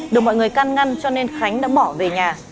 được mọi người can ngăn cho nên khánh đã bỏ về nhà